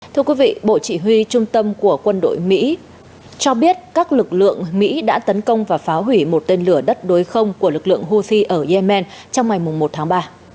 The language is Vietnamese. thưa quý vị bộ chỉ huy trung tâm của quân đội mỹ cho biết các lực lượng mỹ đã tấn công và phá hủy một tên lửa đất đối không của lực lượng houthi ở yemen trong ngày một tháng ba